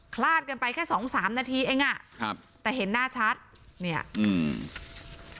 คลาดกันไปแค่สองสามนาทีเองอ่ะครับแต่เห็นหน้าชัดเนี่ยอืม